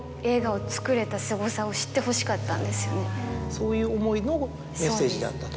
そういう思いのメッセージであったと。